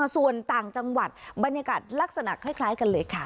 ส่วนต่างจังหวัดบรรยากาศลักษณะคล้ายกันเลยค่ะ